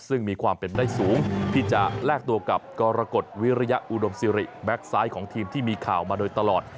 ซึ่งมีความเป็นได้สูงที่จะแลกตัวกับกรกฎวิริยะอุดมสิริแบ็คซ้ายของทีมที่มีข่าวมาโดยตลอด